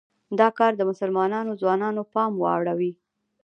دا کار د مسلمانو ځوانانو پام واړوي.